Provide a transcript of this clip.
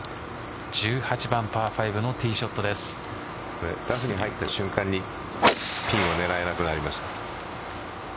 １８番、パー５のティーラフに入った瞬間にピンを狙えなくなります。